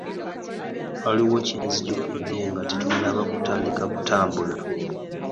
Waliwo kye nzijukidde nga tetunnaba kutandika kutambula.